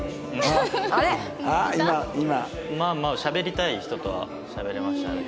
まあまあしゃべりたい人とはしゃべれましたね。